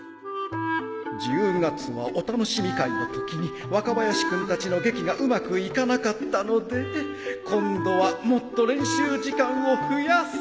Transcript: １０月はお楽しみ会のときに若林君たちの劇がうまくいかなかったので今度はもっと練習時間を増やす